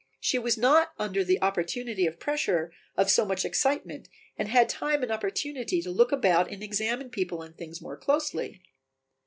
She was not under the pressure of so much excitement and had time and opportunity to look about and examine people and things more closely.